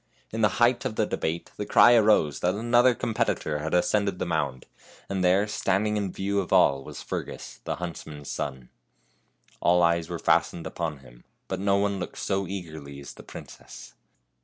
In the height of the debate the cry arose that another competitor had ascended the mound, and there standing in view of all was Fergus, the huntsman's son. All eyes were fastened upon him, but no one looked so eagerly as the princess.